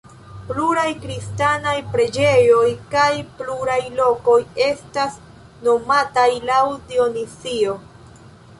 Pluraj kristanaj preĝejoj kaj pluraj lokoj estas nomataj laŭ Dionizio.